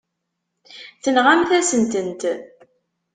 Tenɣamt-asen-tent.